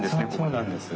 そうなんです。